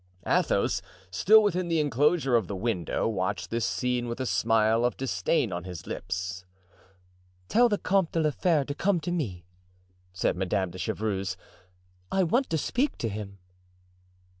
Athos, still within the inclosure of the window, watched this scene with a smile of disdain on his lips. "Tell the Comte de la Fere to come to me," said Madame de Chevreuse, "I want to speak to him."